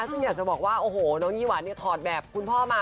ซึ่งอยากจะบอกว่าโอ้โหน้องยี่หวันเนี่ยถอดแบบคุณพ่อมา